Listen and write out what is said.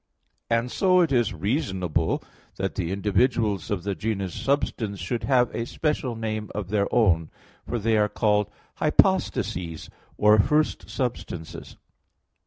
And so it is reasonable that the individuals of the genus substance should have a special name of their own; for they are called "hypostases," or first substances.